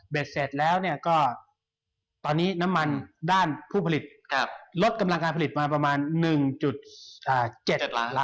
เสร็จแล้วก็ตอนนี้น้ำมันด้านผู้ผลิตลดกำลังการผลิตมาประมาณ๑๗ล้านล้าน